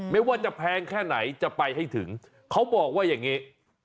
ไม่ว่าจะแพงแค่ไหนจะไปให้ถึงเขาบอกว่าอย่างนี้